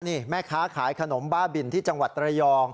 นี่แม่ค้าขายขนมบ้าบินที่จังหวัดระยอง